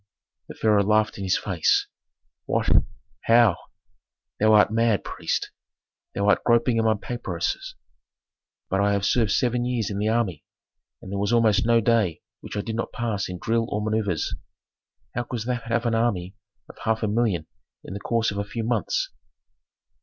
The pharaoh laughed in his face. "What? How? Thou art mad, priest! Thou art groping among papyruses, but I have served seven years in the army, and there was almost no day which I did not pass in drill or manœuvres. How couldst thou have an army of half a million in the course of a few months?"